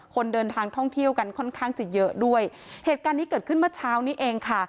คนเดินทางท่องเที่ยวกันค่อนข้างจะเยอะด้วยเหตุการณ์นี้เกิดขึ้นเมื่อเช้านี้เองค่ะ